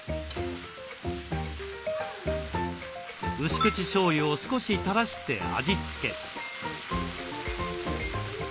薄口しょうゆを少したらして味付け。